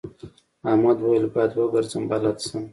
احمد وويل: باید وګرځم بلد شم.